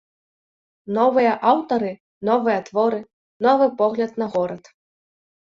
Новыя аўтары, новыя творы, новы погляд на горад!